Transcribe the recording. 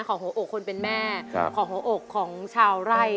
หัวอกคนเป็นแม่ของหัวอกของชาวไร่